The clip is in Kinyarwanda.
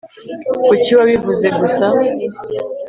kuki wabivuze gusa